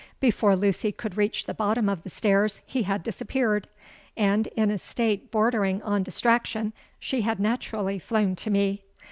Before Lucy could reach the bottom of the stairs, he had disappeared; and, in a state bordering on distraction, she had naturally flown to me.